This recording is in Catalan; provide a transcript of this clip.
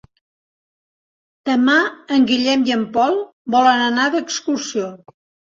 Demà en Guillem i en Pol volen anar d'excursió.